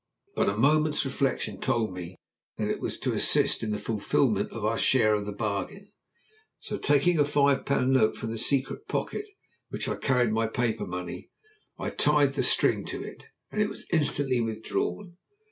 But a moment's reflection told me that it was to assist in the fulfilment of our share of the bargain. So, taking a five pound note from the secret pocket in which I carried my paper money, I tied the string to it, and it was instantly withdrawn.